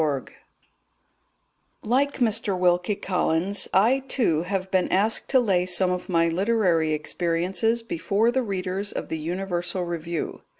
Like Mr. Wilkie Collins, I, too, have been asked to lay some of my literary experiences before the readers of the Universal Review.